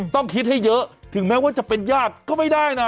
ต้องคิดให้เยอะถึงแม้ว่าจะเป็นญาติก็ไม่ได้นะ